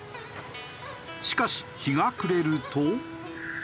しかし日が暮れると。